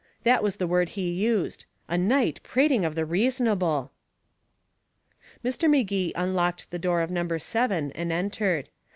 That was the word he used. A knight prating of the reasonable! Mr. Magee unlocked the door of number seven and entered.